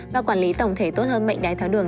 và quản lý tổng thể tốt hơn bệnh đầy tháo đường